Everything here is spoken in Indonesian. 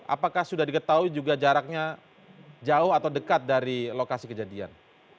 apakah sudah diketahui juga jaraknya jauh atau dekat dari lokasi kejadian